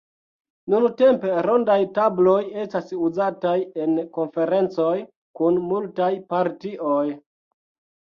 Nuntempe rondaj tabloj estas uzataj en konferencoj kun multaj partioj.